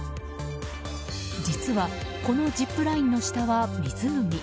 実は、このジップラインの下は湖。